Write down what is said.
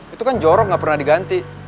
itu kan jorok nggak pernah diganti